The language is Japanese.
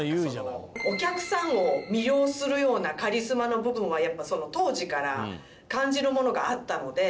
お客さんを魅了するようなカリスマの部分はやっぱその当時から感じるものがあったので。